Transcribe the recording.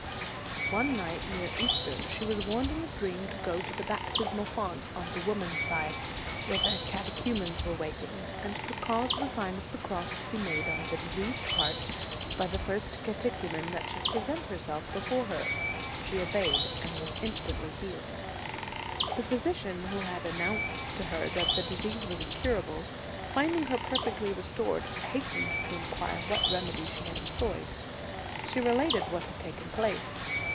One night near Easter, she was warned in a dream to go to the baptismal font, on the women s side, where the catechumens were waiting, and to cause the Sign of the Cross to be made on the diseased part by the first catechumen that should present herself before her. She obeyed, and was instantly healed. "The physician who had announced to her that the disease was incurable, finding her perfectly restored, hastened to inquire what remedy she had employed. She related what had taken place.